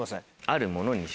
あるものに。